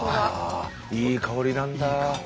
いい香りなんだ。